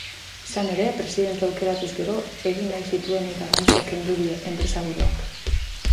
Izan ere, presidente aukeratuz gero egin nahi zituenei garrantzia kendu die enpresaburuak.